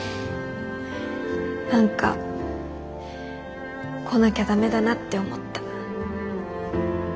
何か来なきゃ駄目だなって思った。